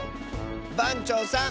ばんちょうさん。